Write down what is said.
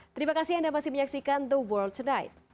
terima kasih anda masih menyaksikan the world tonight